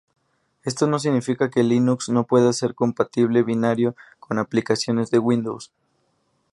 Esto no significa que Linux no pueda ser compatible binario con aplicaciones de Windows.